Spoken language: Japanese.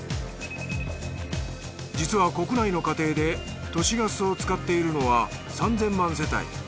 実は国内の家庭で都市ガスを使っているのは３，０００万世帯。